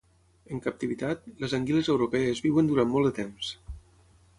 En captivitat, les anguiles europees viuen durant molt de temps.